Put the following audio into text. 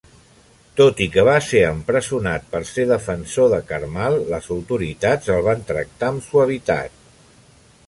Tot i que va ser empresonat per ser defensor de Karmal, les autoritats el van tractar amb suavitat.